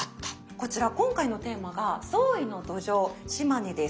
こちら今回のテーマが「創意の土壌島根」です。